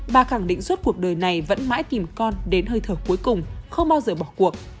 bà khẳng định suốt cuộc đời này vẫn mãi tìm con đến hơi thở cuối cùng không bao giờ bỏ cuộc